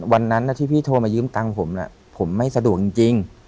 วันนั้นที่พี่โทรมายืมตังค์ผมผมไม่สะดวกจริง